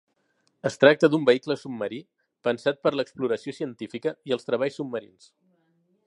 Es tracta d'un vehicle submarí pensat per l'exploració científica i els treballs submarins.